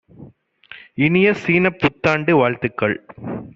இனிய சீனப் புத்தாண்டு வாழ்த்துக்கள்!